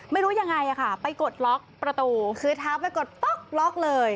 ไม่รู้ยังไงค่ะไปกดล็อกประตูคือเท้าไปกดป๊อกล็อกเลย